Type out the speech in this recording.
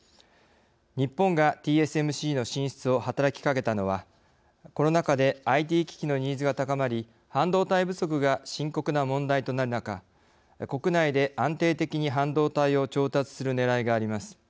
日本がＴＳＭＣの進出を働きかけたのはコロナ禍でＩＴ機器のニーズが高まり半導体不足が深刻な問題となる中国内で安定的に半導体を調達するねらいがあります。